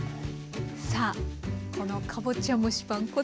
さあこのかぼちゃ蒸しパン